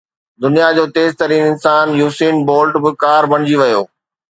دنيا جو تيز ترين انسان يوسين بولٽ به ڪار بڻجي ويو